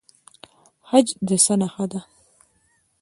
حج د څه نښه ده؟